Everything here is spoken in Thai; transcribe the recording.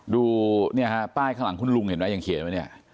ดูป้ายข้างหลังคุณลุงเห็นไหมยังเขียนไหม